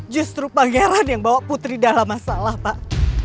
justru pangeran yang bawa putri dalam masalah pak